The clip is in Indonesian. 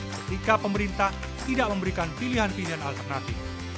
ketika pemerintah tidak memberikan pilihan pilihan alternatif